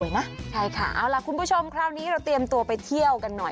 ใช่ค่ะเอาล่ะคุณผู้ชมคราวนี้เราเตรียมตัวไปเที่ยวกันหน่อย